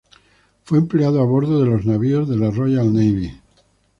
Fue empleado a bordo de los navíos de la Royal Navy.